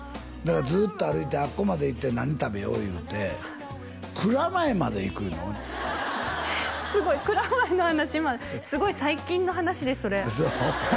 ずっと歩いてあっこまで行って何食べよういうて蔵前まで行くいうのすごい蔵前の話まですごい最近の話ですそれ